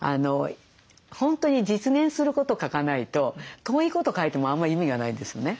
本当に実現すること書かないと遠いこと書いてもあんま意味がないんですよね。